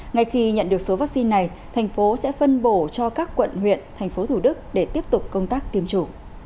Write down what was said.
ngay khi nhận được số vaccine này thành phố sẽ phân bổ cho các quận huyện thành phố thủ đức để tiếp tục công tác tiêm chủng